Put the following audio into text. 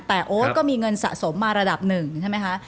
แต่โอ๊ตก็มีเงินสะสมมาระดับหนึ่งใช่ไหมคะ